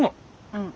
うん。